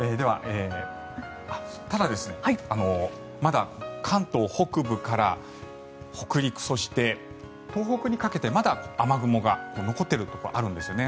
ただ、まだ関東北部から北陸そして、東北にかけてまだ雨雲が残っているところがあるんですね。